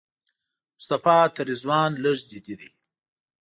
مصطفی تر رضوان لږ جدي دی.